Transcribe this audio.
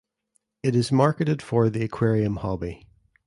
It is marketed for the aquarium hobby.